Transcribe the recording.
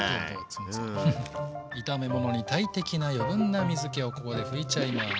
炒め物に大敵な余分な水けをここで拭いちゃいます。